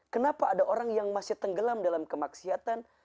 kenapa ada orang yang masih tenggelam dalam kemaksiatan